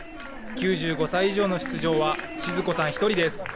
９５歳以上の出場は静子さん１人です。